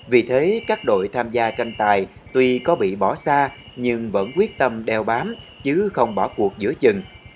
vì thế các đội tham gia tranh tài tuy có bị bỏ xa nhưng vẫn quyết tâm đeo bám chứ không bỏ cuộc giữa chừng